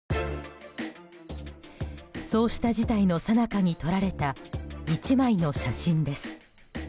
そうした事態のさなかに撮られた１枚の写真です。